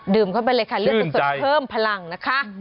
เข้าไปเลยค่ะเลือดสดเพิ่มพลังนะคะ